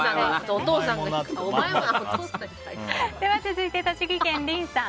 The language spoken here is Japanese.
続いて、栃木県の方。